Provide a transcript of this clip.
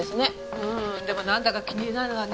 うーんでもなんだか気になるわね